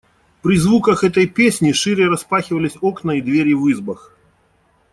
При звуках этой песни шире распахивались окна и двери в избах.